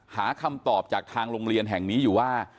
หาคำตอบจากทางโรงเรียนแห่งนี้อยู่ว่า